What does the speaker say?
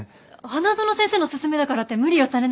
花園先生の勧めだからって無理をされなくても。